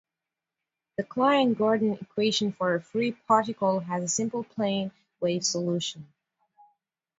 The Klein-Gordon equation for a free particle has a simple plane wave solution.